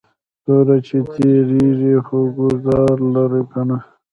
توره چې تیرېږي خو گزار لره کنه